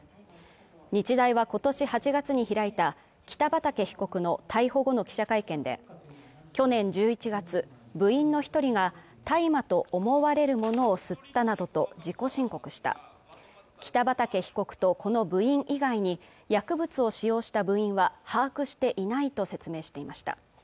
日大は今年８月に開いた北畠被告の逮捕後の記者会見で去年１１月部員の一人が大麻と思われるものを吸ったなどと自己申告した北畠被告とこの部員以外に薬物を使用した部員は把握していないと説明していました